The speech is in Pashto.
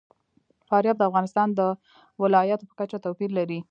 فاریاب د افغانستان د ولایاتو په کچه توپیر لري.